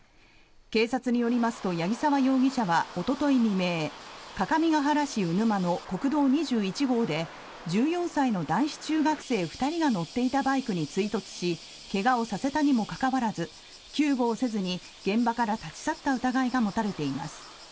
警察によりますと八木沢容疑者はおととい未明各務原市鵜沼の国道２１号で１４歳の男子中学生２人が乗っていたバイクに追突し怪我をさせたにもかかわらず救護をせずに現場から立ち去った疑いが持たれています。